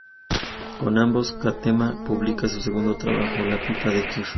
Con ambos Ketama publica su segundo trabajo, "La pipa de Kif".